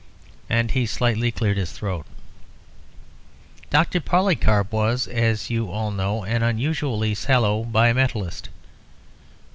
And he slightly cleared his throat. "Dr. Polycarp was, as you all know, an unusually sallow bimetallist.